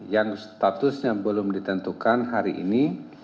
yang statusnya belum ditentukan hari ini